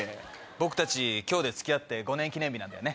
僕たち今日で付き合って５年記念日なんだよね。